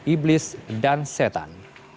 iblis dan setan